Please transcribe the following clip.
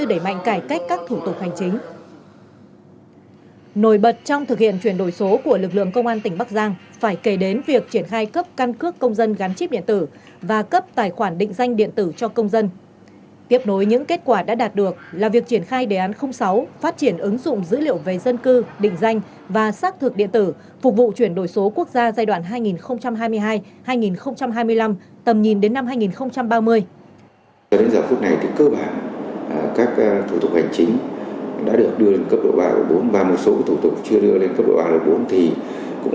để thực hiện giao dịch và các thủ tục hành chính của lực lượng công an